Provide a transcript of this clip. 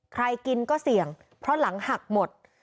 ใครกินก็เสี่ยงเพราะหลังหักหมด